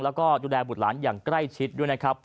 และดูแลบูดหลานใกล้ชิด